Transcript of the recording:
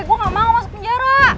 ibu gak mau masuk penjara